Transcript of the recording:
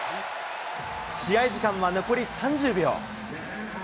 試合時間は残り３０秒。